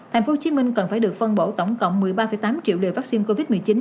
tp hcm cần phải được phân bổ tổng cộng một mươi ba tám triệu liều vaccine covid một mươi chín